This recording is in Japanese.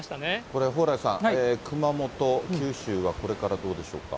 これ、蓬莱さん、熊本、九州はこれからどうでしょうか。